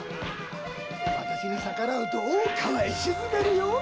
私に逆らうと大川へ沈めるよ！